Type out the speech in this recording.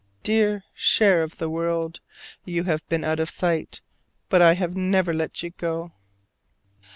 Dear "share of the world," you have been out of sight, but I have never let you go!